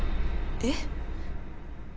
えっ。